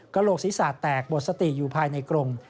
โหลกศีรษะแตกหมดสติอยู่ภายในกรง